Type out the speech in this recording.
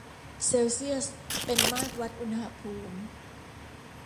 เซลเซียสเป็นมาตรวัดอุณหภูมิ